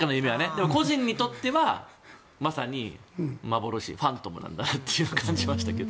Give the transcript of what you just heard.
でも、個人にとっては幻ファントムなんだなと感じましたけど。